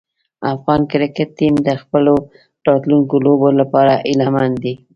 افغان کرکټ ټیم د خپلو راتلونکو لوبو لپاره هیله مند دی.